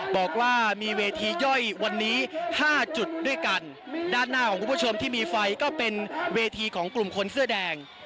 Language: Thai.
บอกว่ามีเวทีย่อยวันนี้ห้าจุดด้วยกันด้านหน้าของคุณผู้ชมที่มีไฟก็เป็นเวทีของกลุ่มคนเสื้อแดง